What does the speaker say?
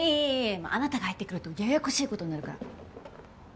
もうあなたが入ってくるとややこしいことになるから。